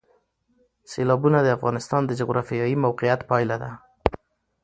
سیلابونه د افغانستان د جغرافیایي موقیعت پایله ده.